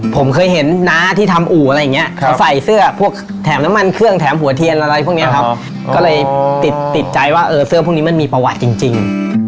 ผมเคยเห็นน้าที่ทำอู่อะไรอย่างนี้เขาใส่เสื้อพวกแถมน้ำมันเครื่องแถมหัวเทียนอะไรพวกนี้ครับก็เลยติดติดใจว่าเออเสื้อพวกนี้มันมีประวัติจริง